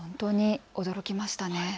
驚きましたね。